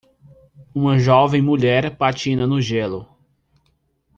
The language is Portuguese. Uma jovem mulher patina no gelo.